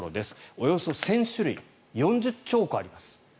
およそ１０００種類４０兆個あります。